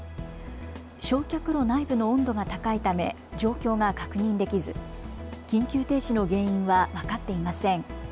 焼却炉内部の温度が高いため状況が確認できず、緊急停止の原因は分かっていません。